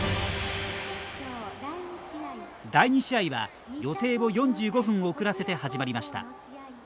第２試合は予定を４５分遅らせて始まりました。